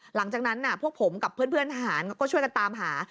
หลังจากนั้นพวกผมกับเพื่อนทหารก็ช่วยกันตามหา